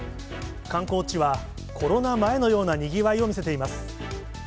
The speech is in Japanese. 観光地はコロナ前のようなにぎわいを見せています。